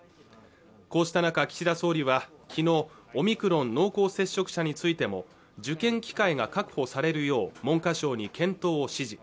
こうした中岸田総理は昨日オミクロン濃厚接触者についても受験機会が確保されるよう文科省に検討を指示